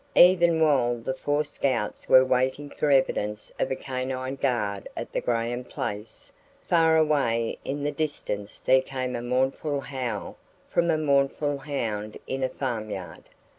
Even while the four scouts were waiting for evidence of a canine guard at the Graham place, far away in the distance there came a mournful howl from a mournful hound in a farmyard.